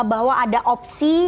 bahwa ada opsi